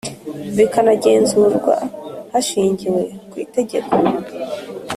bikanagenzurwa hashingiwe ku itegeko